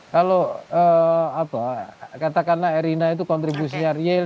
kalau katakanlah erina itu kontribusinya real